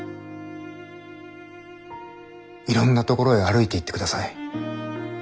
いろんなところへ歩いていってください。